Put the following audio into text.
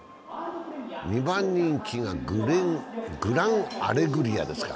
２番人気がグランアレグリアですか。